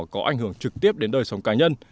có ảnh hưởng trực tiếp đến đời sống cá nhân